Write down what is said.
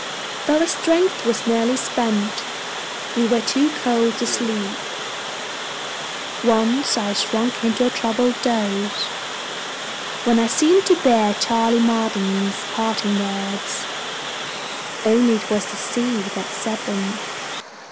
Though our strength was nearly spent, we were too cold to sleep. Once I sunk into a troubled doze, when I seemed to bear Charley Marden's parting words, only it was the Sea that said them.